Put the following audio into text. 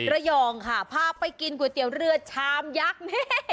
ระยองค่ะพาไปกินก๋วยเตี๋ยวเรือชามยักษ์นี่